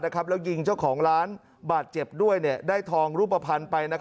แล้วยิงเจ้าของร้านบาดเจ็บด้วยได้ทองรูปภัณฑ์ไป